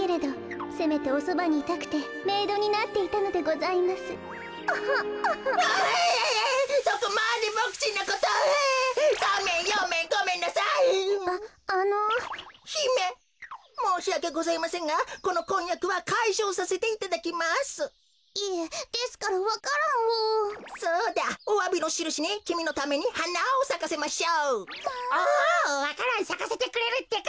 おわか蘭さかせてくれるってか。